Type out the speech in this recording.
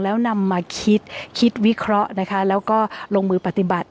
แล้วนำมาคิดคิดวิเคราะห์นะคะแล้วก็ลงมือปฏิบัติ